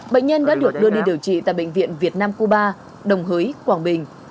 bệnh nhân đã được đưa đi điều trị tại bệnh viện việt nam cuba đồng hới quảng bình